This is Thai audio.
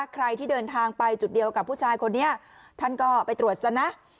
ใครที่เดินทางไปจุดเดียวกับผู้ชายคนนี้ท่านก็ไปตรวจซะนะ